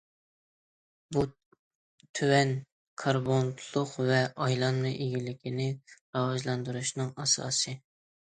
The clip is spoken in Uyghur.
بۇ، تۆۋەن كاربونلۇق ۋە ئايلانما ئىگىلىكنى راۋاجلاندۇرۇشنىڭ ئاساسى.